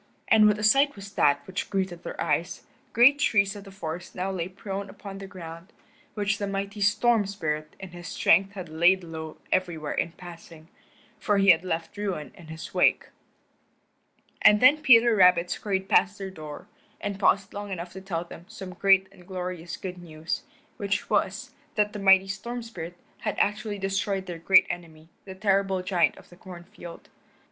And what a sight was that which greeted their eyes. Great trees of the forest now lay prone upon the ground, which the mighty Storm Spirit in his strength had laid low everywhere in passing, for he had left ruin in his wake. And then Peter Rabbit scurried past their door, and paused long enough to tell them some great and glorious good news, which was, that the mighty Storm Spirit had actually destroyed their great enemy, the terrible giant of the corn field.